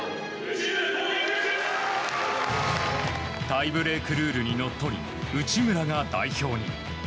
タイブレークルールにのっとり内村が代表に。